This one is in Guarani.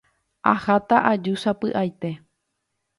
Aháta aju sapy'aite